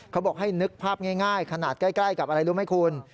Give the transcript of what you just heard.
เขาบอกให้นึกภาพง่ายขนาดใกล้กับอะไรรู้ไหมคุณ